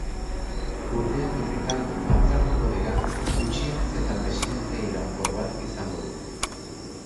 Urtean birritan batzartuko dira, gutxienez eta presidente iraunkor bat izango du.